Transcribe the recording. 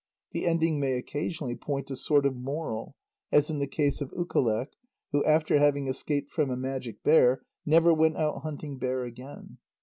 The ending may occasionally point a sort of moral, as in the case of Ukaleq, who after having escaped from a Magic Bear, "never went out hunting bear again."